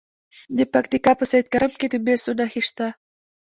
د پکتیا په سید کرم کې د مسو نښې شته.